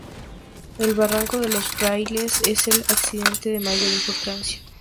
El barranco de los "Frailes" es el accidente de mayor importancia.